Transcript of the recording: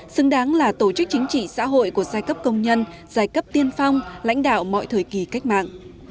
xứng đáng là tổ chức chính trị xã hội của giai cấp công nhân giai cấp tiên phong lãnh đạo mọi thời kỳ cách mạng